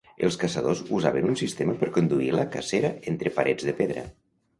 Els caçadors usaven un sistema per conduir la cacera entre parets de pedra.